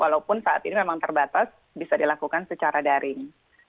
walaupun saat ini memang terbatas bisa dilakukan secara daring